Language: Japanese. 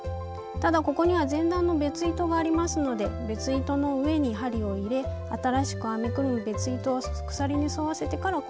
ただここには前段の別糸がありますので別糸の上に針を入れ新しく編みくるむ別糸を鎖に沿わせてから細編みを編みます。